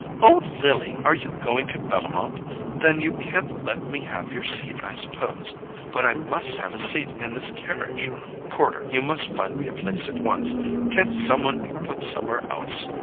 "Oh, Lily—are you going to Bellomont? Then you can't let me have your seat, I suppose? But I MUST have a seat in this carriage—porter, you must find me a place at once. Can't some one be put somewhere else?